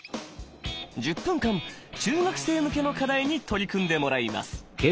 １０分間中学生向けの課題に取り組んでもらいます。